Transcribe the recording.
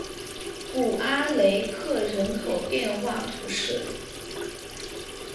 古阿雷克人口变化图示